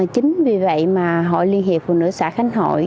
chính vì vậy mà hội liên hiệp phụ nữ xã khánh hội